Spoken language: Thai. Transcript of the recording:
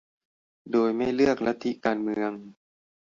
โดยไม่เลือกลัทธิการเมือง